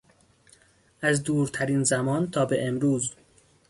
از دورترین زمان تا به امروز